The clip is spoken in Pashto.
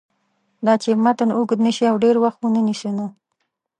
داچې متن اوږد نشي او ډېر وخت ونه نیسي نو